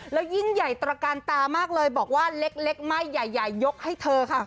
แล้วยิ่งใหญ่ตระการตามากเลยบอกว่าเล็กไม่ใหญ่ยกให้เธอค่ะ